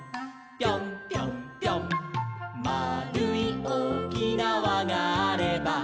「まあるいおおきなわがあれば」